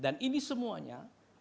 dan ini semuanya